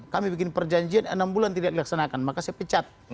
kami bikin perjanjian enam bulan tidak dilaksanakan maka saya pecat